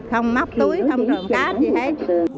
không móc túi không trộm cát gì hết